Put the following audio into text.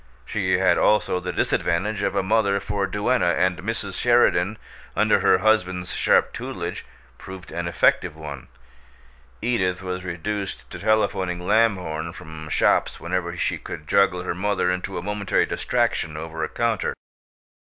She had also the disadvantage of a mother for duenna, and Mrs. Sheridan, under her husband's sharp tutelage, proved an effective one. Edith was reduced to telephoning Lamhorn from shops whenever she could juggle her mother into a momentary distraction over a counter.